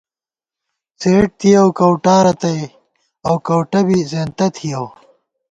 څېڈ تھِیَؤ کَؤٹا رتئ اؤ کَؤٹہ بی زېنتہ تھِیَؤ